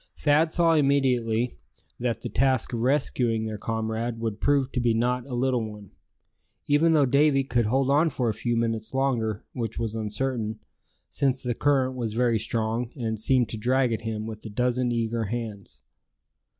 Thad saw immediately that the task of rescuing their comrade would prove to be not a little one, even though Davy could hold on for a few minutes longer, which was uncertain, since the current was very strong, and seemed to drag at him with a dozen eager hands.